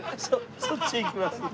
そっちいきます。